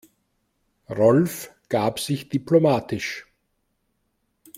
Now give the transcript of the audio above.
Rolf gab sich diplomatisch.